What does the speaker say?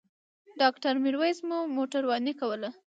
ډاکټر میرویس مو موټرواني کوله.